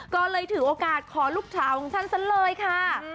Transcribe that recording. ก็เลยถือโอกาสขอลูกสาวของฉันซะเลยค่ะ